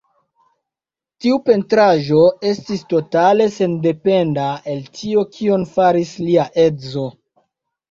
Tiu pentraĵo estis totale sendependa el tio kion faris lia edzo.